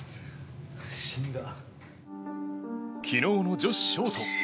昨日の女子ショート。